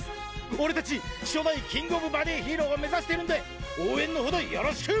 俺たち「初代キング・オブ・バディヒーロー」を目指してるんで応援のほどよろしく！！